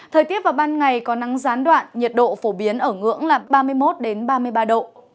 thời tiết vào ban ngày có nắng gián đoạn nhiệt độ phổ biến ở ngưỡng là ba mươi một ba mươi ba độ